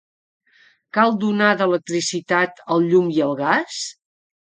Cal donar d'electricitat el llum i el gas?